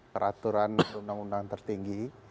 peraturan undang undang tertinggi